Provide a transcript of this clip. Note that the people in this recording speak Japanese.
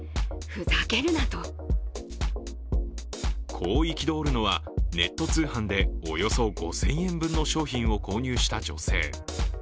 こう憤るのはネット通販でおよそ５０００円分の商品を購入した女性。